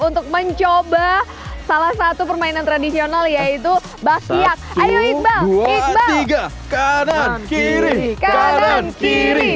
untuk mencoba salah satu permainan tradisional yaitu bakyak ayo iqbal iqbal kanan kiri kanan kiri